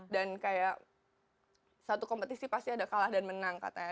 dan kayak satu kompetisi pasti ada kalah dan menang katanya